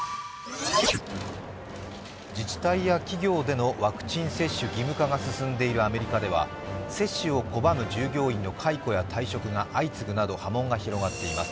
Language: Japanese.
自治体や企業でのワクチン接種義務化が進んでいるアメリカでは接種を拒む従業員の解雇や退職が相次ぐなど波紋が広がっています。